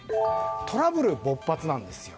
トラブル勃発なんですよ。